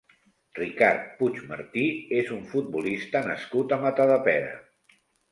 Ricard Puig Martí és un futbolista nascut a Matadepera.